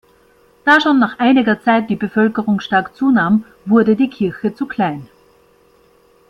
Da schon nach einiger Zeit die Bevölkerung stark zunahm, wurde die Kirche zu klein.